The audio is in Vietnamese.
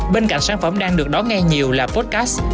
bên cạnh sản phẩm đang được đóng nghe nhiều là podcast